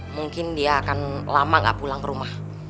mungkin dia akan lama gak pulang ke rumah